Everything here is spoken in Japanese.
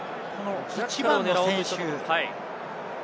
１番の選手。